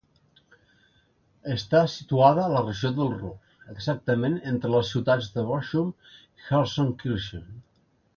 Està situada a la regió del Ruhr, exactament entre les ciutats de Bochum i Gelsenkirchen.